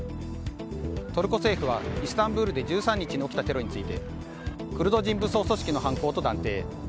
トルコ政府は、イスタンブールで１３日に起きたテロについてクルド人武装組織の犯行と断定。